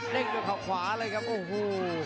เด้งด้วยข่าวขวาเลยครับโอ้โห